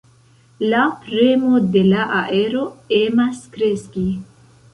La premo de la aero emas kreski.